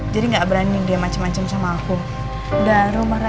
jadi gak berani dia macem macem selalu diantar